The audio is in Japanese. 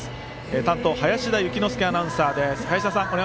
担当林田幸之介アナウンサーです。